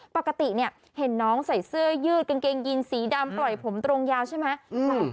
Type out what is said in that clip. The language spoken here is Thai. ปกติเนี่ยเห็นน้องใส่เสื้อยืดกางเกงยีนสีดำปล่อยผมตรงยาวใช่ไหม